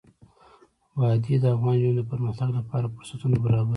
وادي د افغان نجونو د پرمختګ لپاره فرصتونه برابروي.